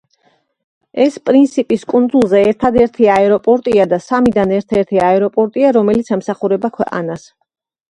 ეს პრინსიპის კუნძულზე ერთადერთი აეროპორტია და სამიდან ერთ-ერთი აეროპორტია, რომელიც ემსახურება ქვეყანას.